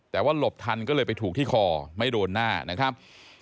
แต่ว่าหลบทันก็เลยไปถูกที่คอไม่โดนหน้านะครับ